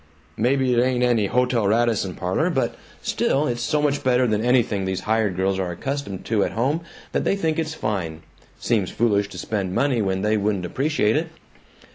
"Maybe it ain't any Hotel Radisson parlor, but still, it's so much better than anything these hired girls are accustomed to at home that they think it's fine. Seems foolish to spend money when they wouldn't appreciate it."